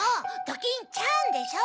「ドキンちゃん」でしょ。